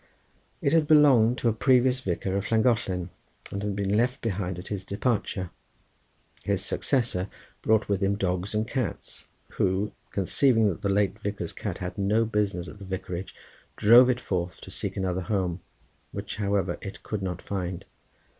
It had belonged to a previous vicar of Llangollen, and had been left behind at his departure. His successor brought with him dogs and cats, who conceiving that the late vicar's cat had no business at the vicarage, drove it forth to seek another home, which, however, it could not find.